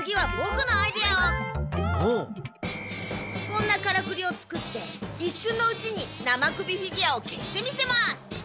こんなカラクリを作っていっしゅんのうちに生首フィギュアを消してみせます！